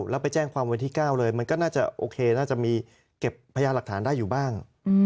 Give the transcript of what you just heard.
แล้วไปแจ้งความวันที่๙เลยมันก็น่าจะโอเคน่าจะมีเก็บพยานหลักฐานได้อยู่บ้าง